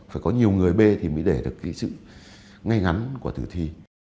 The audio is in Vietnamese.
phải có nhiều người bê thì mới để được cái sự ngay ngắn của tử thi